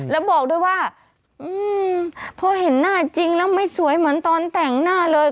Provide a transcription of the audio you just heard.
แล้วบอกด้วยว่าพอเห็นหน้าจริงแล้วไม่สวยเหมือนตอนแต่งหน้าเลย